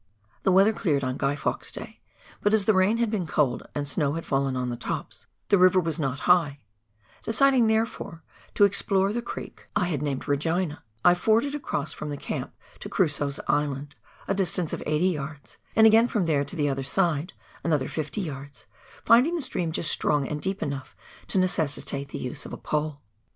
The weather cleared on Guy Fawkes' day, but as the rain had been cold and snow had fallen on the tops, the river was not high. Deciding, therefore, to explore the creek I had named ^ MOI'NT McGl.OlN, KRO.M KKCINA CKKKK. To fact page 192. KARANGABUA EIVER. 193 " Regina," I forded across from the camp to Crusoe's Island, a distance of eighty yards, and again from there to the other side, another fifty yards, finding the stream just strong and deep enough to necessitate the use of a pole.